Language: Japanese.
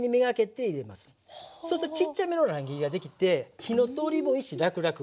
そうするとちっちゃめの乱切りができて火の通りもいいしらくらく。